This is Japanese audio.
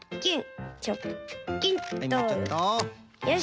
よし。